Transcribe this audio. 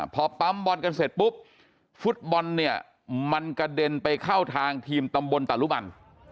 พอปั๊มบอลกันเสร็จปุ๊บฟุตบอลเนี่ยมันกระเด็นไปเข้าทางทีมตำบลตะลุมัน